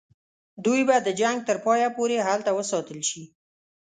دوی به د جنګ تر پایه پوري هلته وساتل شي.